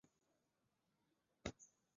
他的演艺生涯开始于即兴剧场。